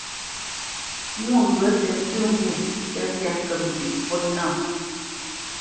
Mwô ghyə̂ tə tsə́ ŋgû ncə́ syâ ŋkə́p njʉ̌ʼ ŋkwút nâ.